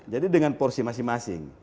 jadi dengan porsi masing masing